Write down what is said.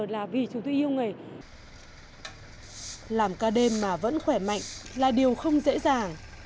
làm ca đêm mà vẫn khỏe mạnh là điều không dễ dàng